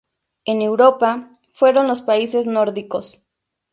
En Europa, fueron los países nórdicos.